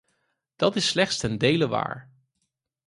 Dat is slechts ten dele waar.